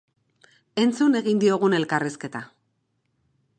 Entzun egin diogun elkarrizketa.